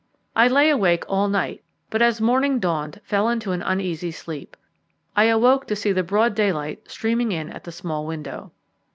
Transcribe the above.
I lay awake all night, but as morning dawned fell into an uneasy sleep. I awoke to see the broad daylight streaming in at the small window.